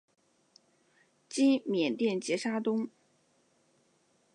今缅甸杰沙东。